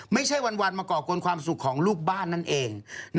ไม่ใช่วันมาก่อกวนความสุขของลูกบ้านนั่นเอง